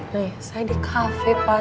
nih saya di cafe pak